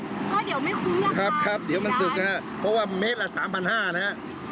ก็เดี๋ยวไม่คุยนะคะเดี๋ยวมันสึกนะฮะเพราะว่าเมตรละสามพันห้านะฮะ